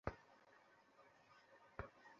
ক্ষুদ্র সঙ্কীর্ণ পথ হইতে প্রশস্ত উদার দিবালোকে এস।